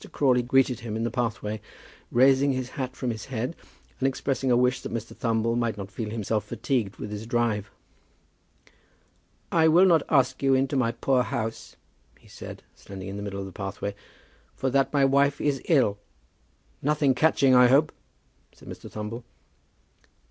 Crawley greeted him in the pathway, raising his hat from his head, and expressing a wish that Mr. Thumble might not feel himself fatigued with his drive. "I will not ask you into my poor house," he said, standing in the middle of the pathway; "for that my wife is ill." "Nothing catching, I hope?" said Mr. Thumble.